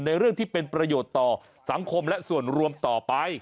เรื่องที่เป็นประโยชน์ต่อสังคมและส่วนรวมต่อไป